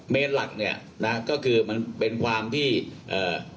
เมนหลักเนี่ยนะก็คือมันเป็นความที่เอ่อ